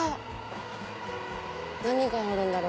何があるんだろう？